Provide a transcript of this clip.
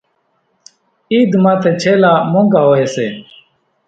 عيڌ ماٿيَ ڇيلا مونگھا هوئيَ سي۔